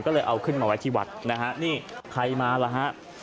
ก็เลยเอาขึ้นมาไว้ที่วัดนี่ใครมาแล้วครับ